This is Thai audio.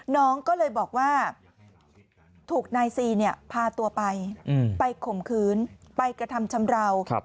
น้องก็เลยบอกว่าถูกนายซีพาตัวไปไปข่มขืนไปกระทำชำราว